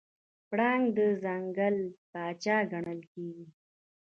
پړانګ د ځنګل پاچا ګڼل کېږي.